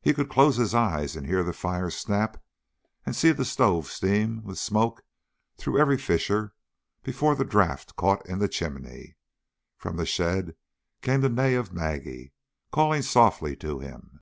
He could close his eyes and hear the fire snap and see the stove steam with smoke through every fissure before the draft caught in the chimney. From the shed came the neigh of Maggie, calling softly to him.